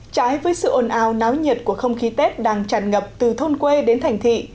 trái với sự ồn ào náo nhiệt của không khí tết đang tràn ngập từ thôn quê đến thành thị